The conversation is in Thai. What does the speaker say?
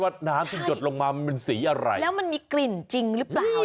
น้ำที่หยดลงมามันเป็นสีอะไรแล้วมันมีกลิ่นจริงหรือเปล่า